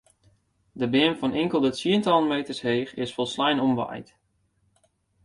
De beam fan inkelde tsientallen meters heech is folslein omwaaid.